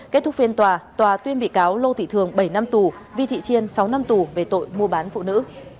kết thúc phiên tòa tòa tuyên bị cáo lô thị thường bảy năm tù vi thị chiên sáu năm tù về tội mua bán phụ nữ